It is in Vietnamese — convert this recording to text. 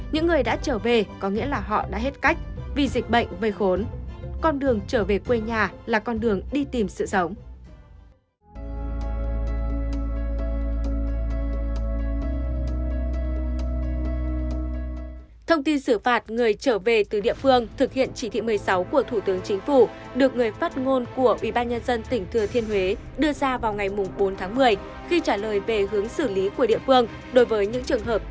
những người đã trở về có nghĩa là họ đã hết cách vì dịch bệnh vây khốn